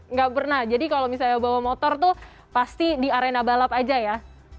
nggak pernah jadi kalau misalnya bawa motor tuh pasti di arena balap aja ya